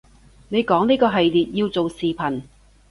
你講呢個系列要做視頻